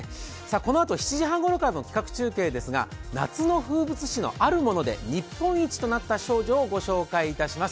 このあと７時半ごろからの企画中継ですが、夏の風物詩のあるもので日本一となった少女をご紹介します。